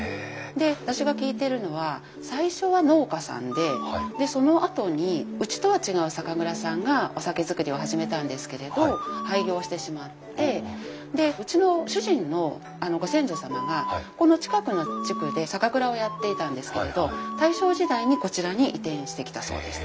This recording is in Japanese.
で私が聞いてるのは最初は農家さんでそのあとにうちとは違う酒蔵さんがお酒造りを始めたんですけれど廃業してしまってでうちの主人のご先祖様がこの近くの地区で酒蔵をやっていたんですけれど大正時代にこちらに移転してきたそうです。